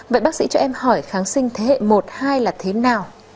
vậy bác sĩ cho em hỏi kháng sinh thế hệ một hai là thế nào